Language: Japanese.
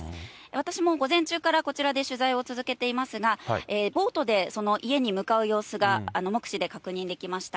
私も午前中からこちらで取材を続けていますが、ボートで家に向かう様子が目視で確認できました。